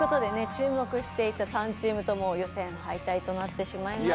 注目していた３チームとも予選敗退となってしまいました。